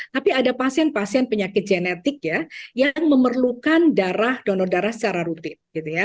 tapi ada pasien pasien penyakit genetik ya yang memerlukan darah donor darah secara rutin